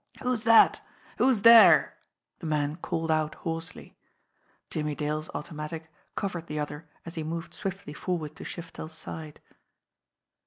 "Who's that? Who's there?" the man called out hoarsely. Jimmie Dale's automatic covered the other as he moved swiftly forward to Shiftel's side.